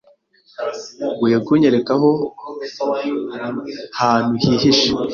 Ugiye kunyereka aho hantu hihishe?